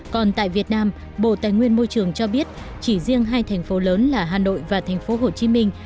còn tại việt nam bộ tài nguyên môi trường cho biết chỉ riêng hai thành phố lớn là hà nội và thành phố hồ chí minh